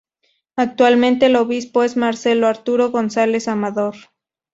Actualmente el obispo es Marcelo Arturo González Amador.